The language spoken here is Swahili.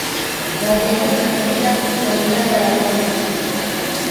Wajaluo ni kabila kuu la Wilaya ya Rorya